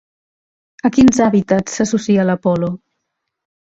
A quins hàbitats s'associa l'apol·lo?